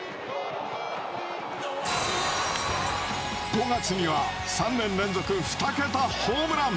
５月には、３年連続２桁ホームラン。